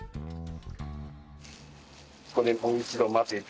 ここでもう一度混ぜて。